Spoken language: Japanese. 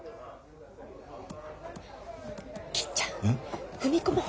銀ちゃん踏み込もう！